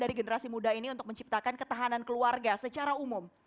dari generasi muda ini untuk menciptakan ketahanan keluarga secara umum